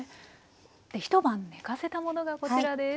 一晩ねかせたものがこちらです。